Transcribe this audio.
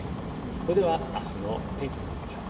それでは、あすの天気見ていきましょう。